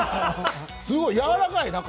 すごい、やわらかい、中。